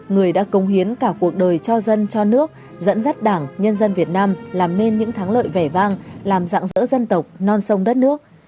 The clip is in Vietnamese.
người đã công hiến cả cuộc đời cho dân cho nước dẫn dắt đảng nhân dân việt nam làm nên những thắng lợi vẻ vang làm dạng dỡ dân tộc non sông đất nước